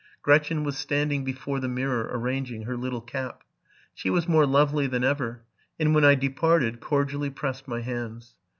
Gretchen was standing before the mirror arranging "her little sap: she was more lovely than ever, and, when I departed, cordially pressed my hands.